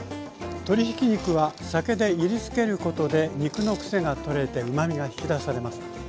鶏ひき肉は酒でいりつけることで肉のクセが取れてうまみが引き出されます。